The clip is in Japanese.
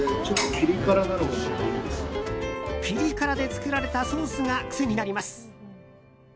ピリ辛で作られたソースが癖になります。